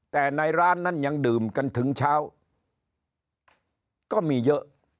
แต่ในร้านนั้นยังดื่มกันถึงเช้าก็มีเยอะ